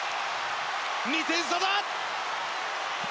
２点差だ！